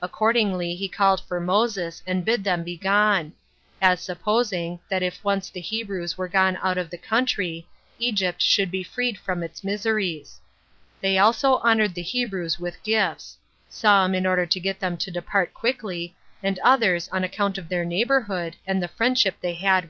Accordingly he called for Moses, and bid them be gone; as supposing, that if once the Hebrews were gone out of the country, Egypt should be freed from its miseries. They also honored the Hebrews with gifts; 27 some, in order to get them to depart quickly, and others on account of their neighborhood, and the friendship they h